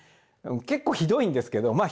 結構ひどいんですけどまあ